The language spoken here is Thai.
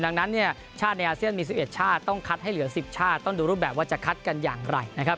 ดังนั้นเนี่ยชาติในอาเซียนมี๑๑ชาติต้องคัดให้เหลือ๑๐ชาติต้องดูรูปแบบว่าจะคัดกันอย่างไรนะครับ